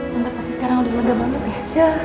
tempat pasti sekarang udah lega banget ya